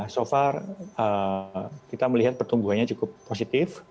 so far kita melihat pertumbuhannya cukup positif